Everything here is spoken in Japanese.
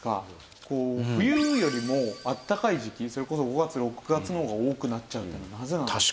冬よりもあったかい時期それこそ５月６月の方が多くなっちゃうっていうのはなぜなんでしょう？